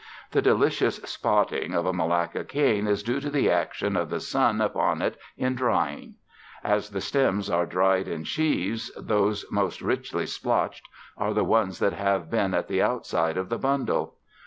The delicious spotting of a Malacca cane is due to the action of the sun upon it in drying. As the stems are dried in sheaves, those most richly splotched are the ones that have been at the outside of the bundle.